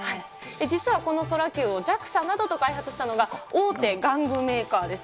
実は、このソラキューをＪＡＸＡなどと開発したのが、大手玩具メーカーです。